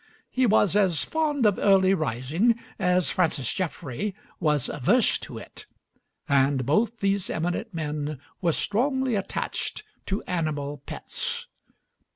He was as fond of early rising as Francis Jeffrey was averse to it, and both these eminent men were strongly attached to animal pets.